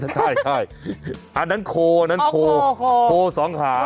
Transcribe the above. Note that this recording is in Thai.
ใช่อันนั้นโคโคสองขา